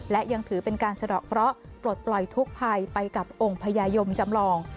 และยังถือเป็นการสะดอกเคราะห์ปลดปล่อยทุกภัยไปกับองค์พญายมจำลอง